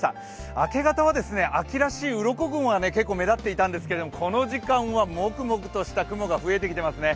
明け方は秋らしいうろこ雲が結構目立っていたんですけどこの時間はもくもくとした雲が増えてきていますね。